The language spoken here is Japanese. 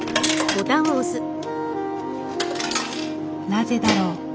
なぜだろう？